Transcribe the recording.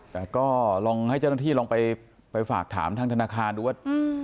แต่ก็ลองให้เจ้าหน้าที่ลองไปฝากถามทางธนาคารดูว่า